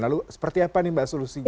lalu seperti apa nih mbak solusinya